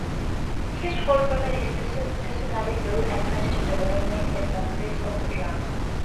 His whole family is personally very attached to development and successes of the club.